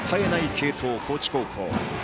継投高知高校。